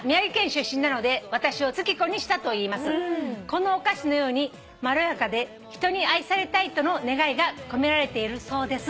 「このお菓子のようにまろやかで人に愛されたいとの願いが込められているそうです」